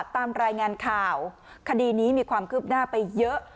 ตามรายงานข่าวคดีนี้มีความคืบหน้าไปเยอะ